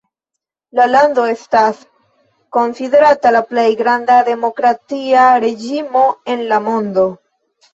La lando estas konsiderata la plej granda demokratia reĝimo en la mondo.